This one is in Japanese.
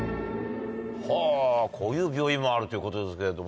はぁこういう病院もあるということですけれどもね。